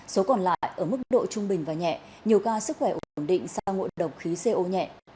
số còn lại ở mức độ trung bình và nhẹ nhiều ca sức khỏe ổn định xa ngộ độc khí co nhẹ